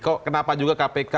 kok kenapa juga kpk